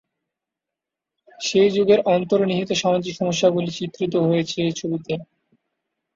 সেই যুগের অন্তর্নিহিত সামাজিক সমস্যাগুলি চিত্রিত হয়েছে ছবিতে।